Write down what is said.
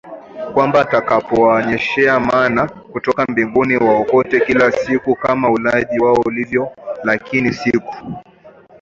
kwamba atakapowanyeshea Maana kutoka mbinguni waokote kila siku kama ulaji wao ulivyo lakini siku